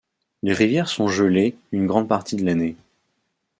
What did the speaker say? Les rivières sont gelées une grande partie de l'année.